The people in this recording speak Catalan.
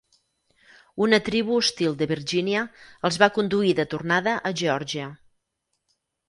Una tribu hostil de Virgínia els va conduir de tornada a Geòrgia.